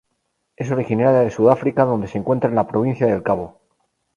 Es originaria de Sudáfrica donde se encuentra en la Provincia del Cabo.